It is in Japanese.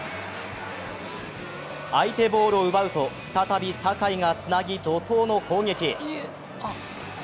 相手ボールを奪うと再び酒井がつなぎ怒とうの攻撃。